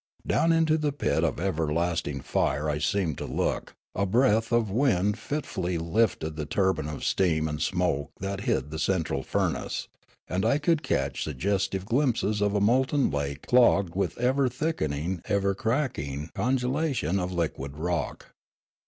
Down into the pit of everlasting fire I seemed to look ; a breath of wind fitfully lifted the turban of steam and smoke that hid the central furnace, and I could catch suggestive glimpses of a molten lake clogged with ever thickening ever cracking congelation of liquid rock.